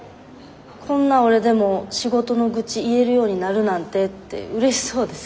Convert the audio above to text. こんな俺でも仕事の愚痴言えるようになるなんてってうれしそうでさ。